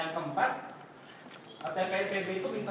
yang keempat tppb itu minta stok penerbangan masuk kenduga